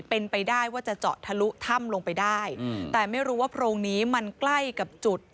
เป็นไปได้ว่าจะเจาะทะลุถ้ำลงไปได้แต่ไม่รู้ว่าโพรงนี้มันใกล้กับจุด